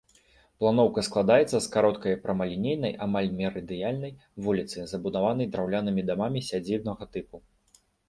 Планоўка складаецца з кароткай прамалінейнай, амаль мерыдыянальнай вуліцы, забудаванай драўлянымі дамамі сядзібнага тыпу.